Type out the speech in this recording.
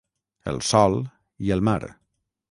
El sòl i el mar.